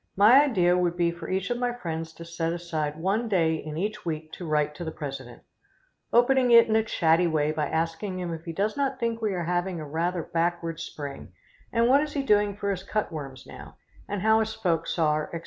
My idea would be for each of my friends to set aside one day in each week to write to the president, opening it in a chatty way by asking him if he does not think we are having rather a backward spring, and what he is doing for his cut worms now, and how his folks are, etc.